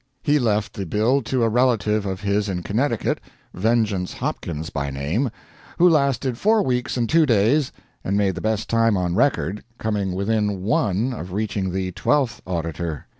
He left the bill to a relative of his in Connecticut, Vengeance Hopkins by name, who lasted four weeks and two days, and made the best time on record, coming within one of reaching the Twelfth Auditor.